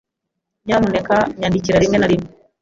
Nyamuneka nyandikira rimwe na rimwe.